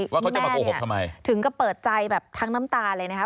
ว่าเขาจะมาโกหกทำไมถึงก็เปิดใจแบบทั้งน้ำตาเลยนะคะ